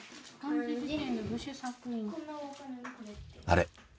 あれ？